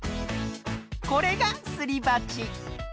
これがすりばち。